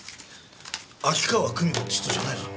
秋川久美子って人じゃないぞ。